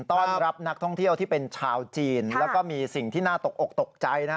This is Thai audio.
ต้อนรับนักท่องเที่ยวที่เป็นชาวจีนแล้วก็มีสิ่งที่น่าตกอกตกใจนะฮะ